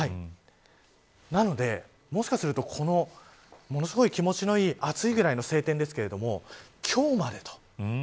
なので、もしかするとものすごい気持ちのいい暑いぐらいの晴天ですけれども今日までと。